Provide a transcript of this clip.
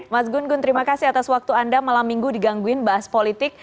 mas gun gun terima kasih atas waktu anda malam minggu digangguin bahas politik